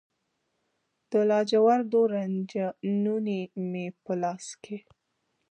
د لاجوردو رنجه نوني مې په لاس کې